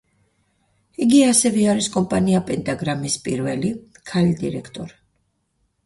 იგი ასევე არის კომპანია პენტაგრამის პირველი, ქალი დირექტორი.